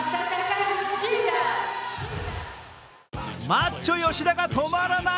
マッチョ・吉田が止まらない。